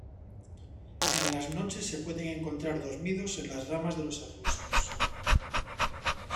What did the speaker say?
En las noches se pueden encontrar dormidos en las ramas de los arbustos.